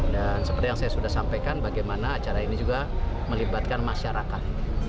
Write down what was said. dan seperti yang saya sudah sampaikan bagaimana acara ini juga melibatkan masyarakat